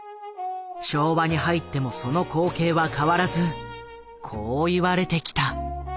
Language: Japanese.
昭和に入ってもその光景は変わらずこう言われてきた。